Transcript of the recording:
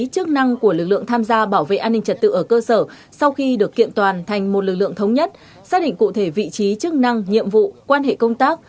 chức năng của lực lượng tham gia bảo vệ an ninh trật tự ở cơ sở sau khi được kiện toàn thành một lực lượng thống nhất xác định cụ thể vị trí chức năng nhiệm vụ quan hệ công tác